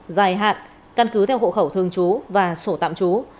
dài hạn căn cứ theo hộ khẩu thường trú và sổ tạm trú